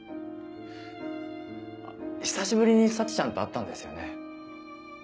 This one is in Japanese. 久しぶりに沙智ちゃんと会ったんですよね？